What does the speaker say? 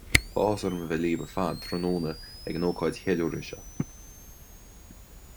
Tá áthas orm a bheith libh ar fad tráthnóna ag an ócáid cheiliúrtha seo